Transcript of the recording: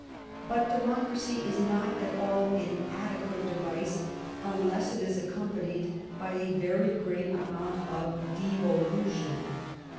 But democracy is not at all an adequate device unless it is accompanied by a very great amount of devolution.